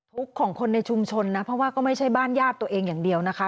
ของคนในชุมชนนะเพราะว่าก็ไม่ใช่บ้านญาติตัวเองอย่างเดียวนะคะ